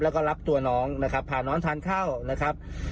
แล้วก็รับตัวน้องนะครับพาน้องทานข้าวนะครับ